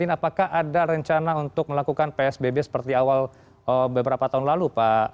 apakah ada rencana untuk melakukan psbb seperti awal beberapa tahun lalu pak